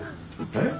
えっ？